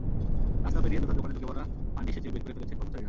রাস্তা পেরিয়ে জুতার দোকানে ঢুকে পড়া পানি সেচে বের করে ফেলছেন কর্মচারীরা।